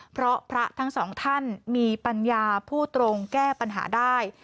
เพราะพระทั้งสองท่านมีปัญญาพูดตรงแก้ปัญหาได้